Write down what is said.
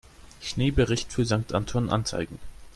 Schneebericht für Sankt Anton anzeigen.